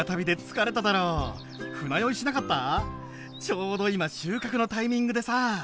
ちょうど今収穫のタイミングでさ。